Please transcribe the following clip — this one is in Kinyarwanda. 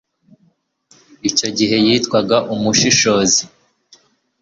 icyo gihe yitwaga umushishozi